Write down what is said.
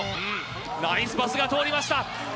ナイスパスが通りました。